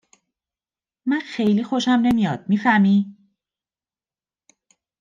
من خیلی خوشم نمیاد می فهمی؟